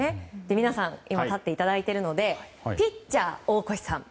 皆さん、今立っていただいているのでピッチャー大越さん